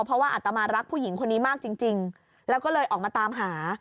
เพราะว่าอัตมารักผู้หญิงคนนี้มากจริงแล้วก็เลยออกมาตามหา